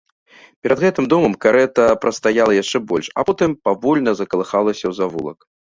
Перад гэтым домам карэта прастаяла яшчэ больш, а потым павольна закалыхалася ў завулак.